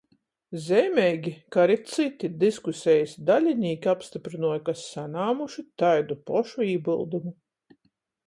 Zeimeigi, ka ari cyti diskusejis dalinīki apstyprynuoja, ka sanāmuši taidu pošu ībyldumu.